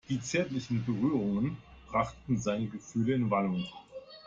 Die zärtlichen Berührungen brachten seine Gefühle in Wallung.